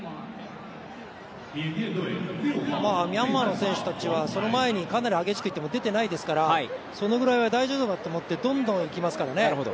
ミャンマーの選手たちは、その前にかなり激しくいっても出てないですからそのぐらいは大丈夫だと思って、どんどんいきますからね。